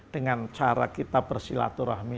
dengan cara kita bersilaturahmi